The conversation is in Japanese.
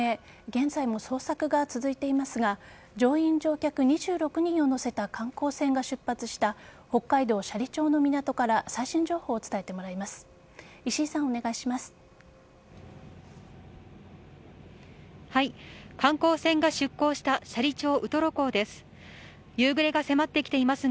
現在も捜索が続いていますが乗員、乗客２６人を乗せた観光船が出発した北海道斜里町の港から最新情報を伝えてもらいます。